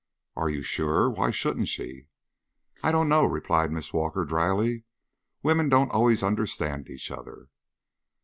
"Are you sure? Why shouldn't she?" "I don't know," replied Miss Walker, dryly. "Women don't always understand each other."